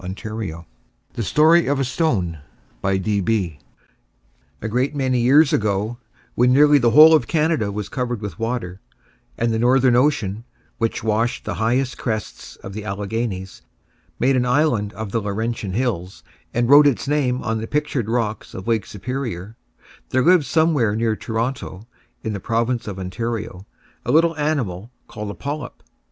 JOHN LOGAN THE STORY OF A STONE A great many years ago, when nearly the whole of Canada was covered with water, and the Northern Ocean, which washed the highest crests of the Alleghanies, made an island of the Laurentian Hills, and wrote its name on the Pictured Rocks of Lake Superior, there lived somewhere near Toronto, in the Province of Ontario, a little animal called a Polyp.